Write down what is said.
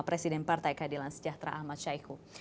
presiden partai keadilan sejahtera ahmad syahiku